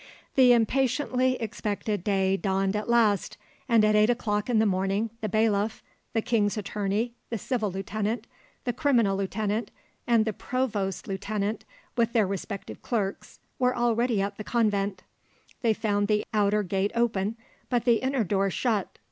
The impatiently expected day dawned at last, and at eight o'clock in the morning the bailiff, the king's attorney, the civil lieutenant, the criminal lieutenant, and the provost's lieutenant, with their respective clerks, were already at the convent. They found the outer gate open, but the inner door shut.